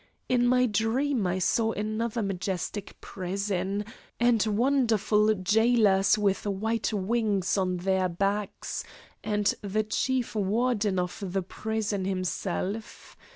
In my dream I saw another majestic prison, and wonderful jailers with white wings on their backs, and the Chief Warden of the prison himself.